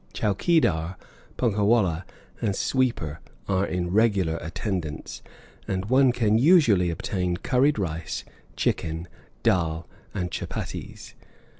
Chowkeedar, punkah wallah, and sweeper are in regular attendance, and one can usually obtain curried rice, chicken, dhal, and chuppatties.